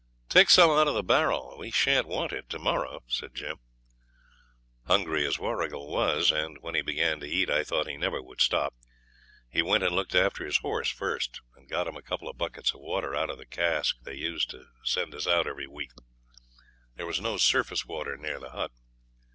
'Take some out of the barrel; we shan't want it to morrow,' said Jim. Hungry as Warrigal was and when he began to eat I thought he never would stop he went and looked after his horse first, and got him a couple of buckets of water out of the cask they used to send us out every week. There was no surface water near the hut.